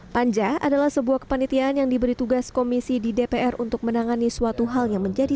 panja adalah sebuah kepanitiaan yang diberi tugas komisi di dpr untuk menangani suatu hal yang menjadi